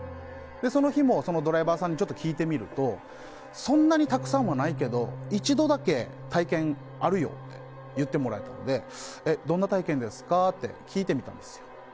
その日も、そのドライバーさんに聞いてみるとそんなにたくさんはないけど一度だけ体験あるよって言ってもらえたのでどんな体験ですか？って聞いてみたんですよ。